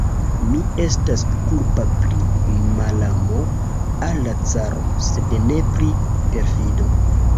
Mi estas kulpa pri malamo al la caro, sed ne pri perfido!